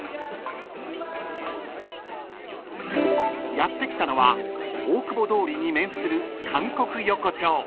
［やって来たのは大久保通りに面する］